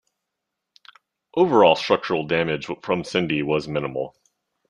Overall structural damage from Cindy was minimal.